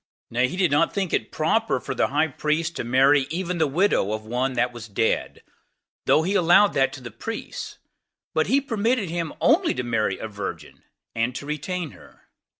Nay, he did not think it proper for the high priest to marry even the widow of one that was dead, though he allowed that to the priests; but he permitted him only to marry a virgin, and to retain her.